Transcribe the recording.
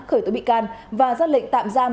khởi tố bị can và ra lệnh tạm giam